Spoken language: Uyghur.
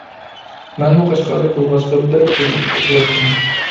مەنمۇ قەشقەرلىك بولغاچقا بەك قىزىقىپ ئوقۇۋەتتىم.